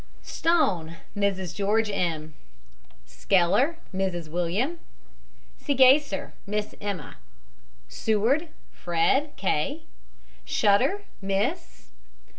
STONE, MRS. GEORGE M. SKELLER, MRS. WILLIAM. SEGESSER, MISS EMMA. SEWARD, FRED. K. SHUTTER, MISS.